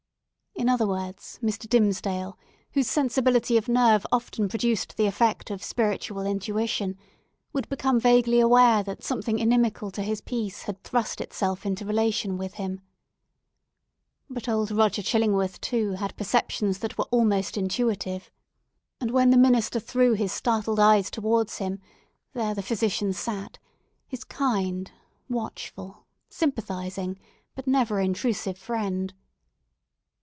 In other words, Mr. Dimmesdale, whose sensibility of nerve often produced the effect of spiritual intuition, would become vaguely aware that something inimical to his peace had thrust itself into relation with him. But Old Roger Chillingworth, too, had perceptions that were almost intuitive; and when the minister threw his startled eyes towards him, there the physician sat; his kind, watchful, sympathising, but never intrusive friend.